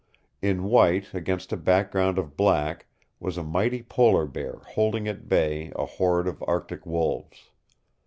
In white against a background of black was a mighty polar bear holding at bay a horde of Arctic wolves.